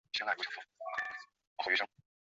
罗马宪法随着时间的流逝演变。